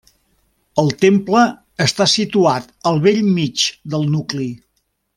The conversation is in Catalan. El temple està situat al bell mig del nucli.